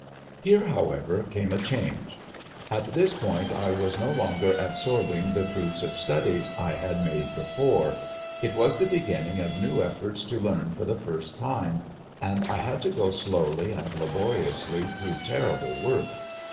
"Here, however, came a change. At this point I was no longer absorbing the fruits of studies I had made before; it was the beginning of new efforts to learn for the first time, and I had to go slowly and laboriously through terrible work.